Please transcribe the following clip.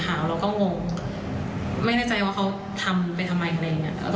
เขาก็แล้วเราก็เลยทำเสียงแหละว่าเอามือเข้าไปทำไมคะ